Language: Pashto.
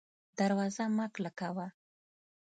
دروازه مه کلکه وه